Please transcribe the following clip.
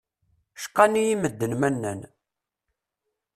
Cqan-iyi medden ma nnan.